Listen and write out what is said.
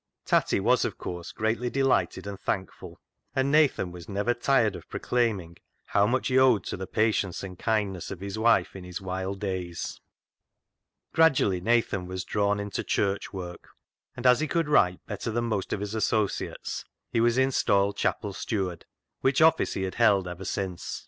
Tatty was, of course, greatly delighted and thankful, and Nathan was never tired of proclaiming how much he owed to the patience and kindness of his wife in his wild days. Gradually Nathan was drawn into Church work, and as he could write better than most of his associates, was installed chapel steward, which office he had held ever since.